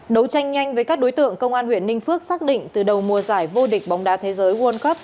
đấu tranh nhanh với các đối tượng công an huyện ninh phước xác định từ đầu mùa giải vô địch bóng đá thế giới world cup